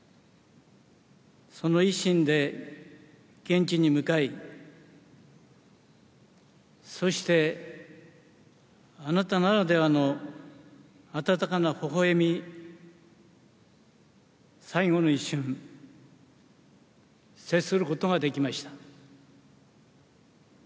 その一心で現地に向かい、そして、あなたならではの温かなほほえみ、最後の一瞬、接することができました。